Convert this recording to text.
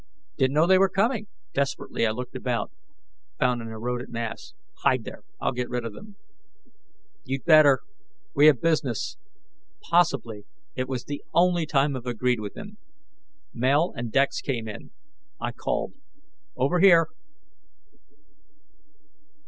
"Didn't know they were coming." Desperately, I looked about, found an eroded mass. "Hide there; I'll get rid of them." "You'd better we have business." Possibly it was the only time I've agreed with him. Mel and Dex came in. I called, "Over here!"